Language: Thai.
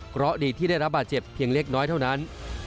เพราะดีที่ได้รับบาดเจ็บเพียงเล็กน้อยเท่านั้น